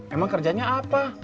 emang kerjanya apa